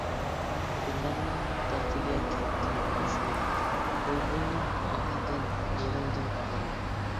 گۈللەرنىڭ دەردىگە كەتتىم قوشۇلۇپ، بۇلبۇلنىڭ ئاھىدىن يېرىلدى باغرىم.